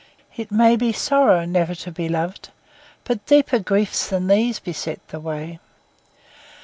It may be sorrow never to be loved, But deeper griefs than these beset the way.